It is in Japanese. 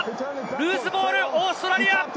ルーズボール、オーストラリア。